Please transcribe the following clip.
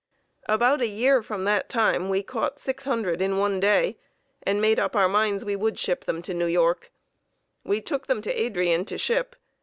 About a year from that time we caught 600 in one day, and made up our minds we would ship them to New York. We took them to Adrian to ship.